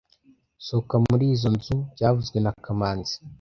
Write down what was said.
Sohoka muri izoi nzu byavuzwe na kamanzi